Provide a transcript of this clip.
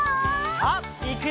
さあいくよ！